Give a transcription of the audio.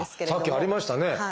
さっきありましたね。